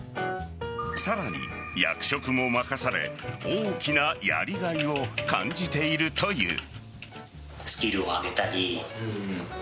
さらに役職も任され大きなやりがいを感じているという。